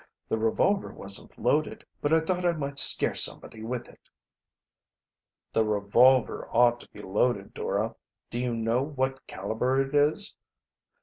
The revolver wasn't loaded, but I thought I might scare somebody with it." "The revolver ought to be loaded, Dora. Do you know what caliber it is?"